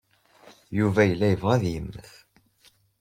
Yuba yella yebɣa ad yemmet.